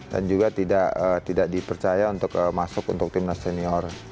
dan juga tidak dipercaya untuk masuk untuk tim nasional